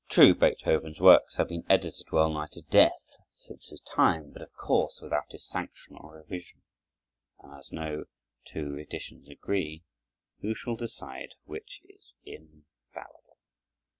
True, Beethoven's works have been edited well nigh to death since his time, but of course without his sanction or revision; and as no two editions agree, who shall decide which is infallible?